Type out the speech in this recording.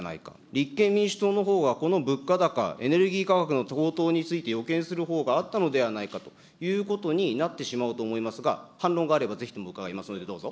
立憲民主党のほうがこの物価高、エネルギー価格の高騰について、予見するほうがあったのではないかということになってしまうと思いますが、反論があればぜひとも伺いますので、どうぞ。